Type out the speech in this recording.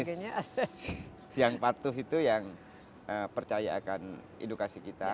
ada tiga jenis yang patuh itu yang percaya akan edukasi kita